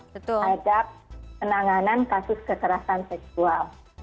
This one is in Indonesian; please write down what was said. terhadap penanganan kasus kekerasan seksual